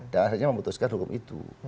dan akhirnya memutuskan hukum itu